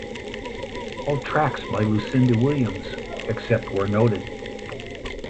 All tracks by Lucinda Williams except where noted.